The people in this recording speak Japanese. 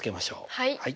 はい。